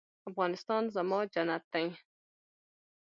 افغانستان زما جنت دی